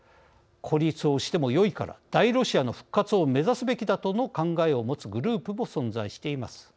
孤立をしてもよいから大ロシアの復活を目指すべきだとの考えを持つグループも存在しています。